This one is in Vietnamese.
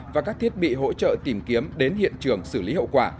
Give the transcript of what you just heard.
và các thiết bị hỗ trợ tìm kiếm đến hiện trường xử lý hậu quả